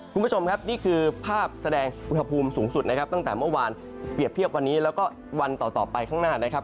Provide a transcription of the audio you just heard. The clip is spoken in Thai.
คุณผู้ชมครับนี่คือภาพแสดงอุณหภูมิสูงสุดนะครับตั้งแต่เมื่อวานเปรียบเทียบวันนี้แล้วก็วันต่อไปข้างหน้านะครับ